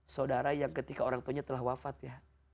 saudara yang ketika orang tuanya telah wafat ya